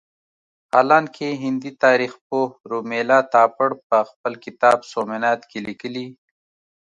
حالانکه هندي تاریخ پوه رومیلا تاپړ په خپل کتاب سومنات کې لیکلي.